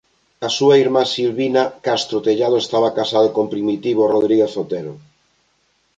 A súa irmá Silvina Castro Tellado estaba casada con Primitivo Rodríguez Otero.